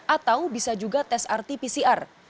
atau bisa juga tes rt pcr